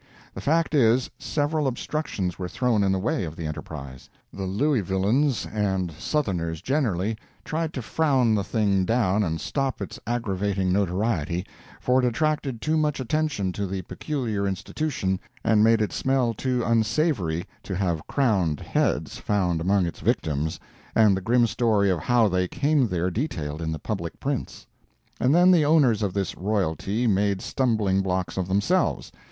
The fact is, several obstructions were thrown in the way of the enterprise. The Louisvillains, and Southerners generally, tried to frown the thing down and stop its aggravating notoriety, for it attracted too much attention to the peculiar institution, and made it smell too unsavory to have crowned heads found among its victims and the grim story of how they came there detailed in the public prints. And then the owners of this royalty made stumbling blocks of themselves.